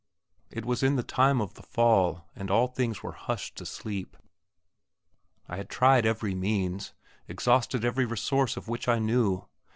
It was in the time of the fall, and all things were hushed to sleep. I had tried every means, exhausted every resource of which I knew.